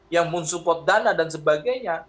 yang men support dana dan sebagainya